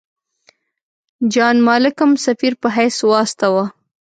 جان مالکم سفیر په حیث واستاوه.